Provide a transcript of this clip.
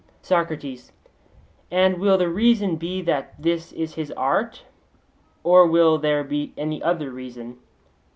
SOCRATES: And will the reason be that this is his art, or will there be any other reason?